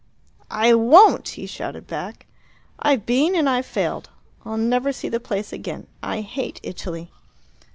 "I won't!" he shouted back. "I've been and I've failed. I'll never see the place again. I hate Italy."